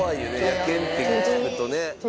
野犬って聞くとね。